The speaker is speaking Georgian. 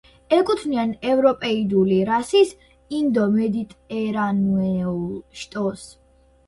ეკუთვნიან ევროპეიდული რასის ინდო-მედიტერანეულ შტოს.